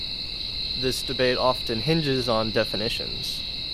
This debate often hinges on definitions.